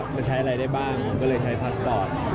มันใช้อะไรได้บ้างก็เลยใช้พาสปอร์ต